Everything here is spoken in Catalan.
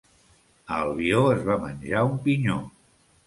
A Albió es va menjar un pinyó.